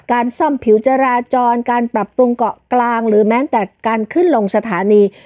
การซ่อมผิวจราจรการปรับปรุงเกาะกลางหรือแม้แต่การขึ้นลงสถานี